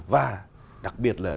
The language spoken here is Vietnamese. và đặc biệt là